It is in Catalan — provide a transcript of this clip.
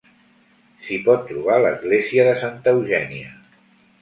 S'hi pot trobar l'església de Santa Eugènia.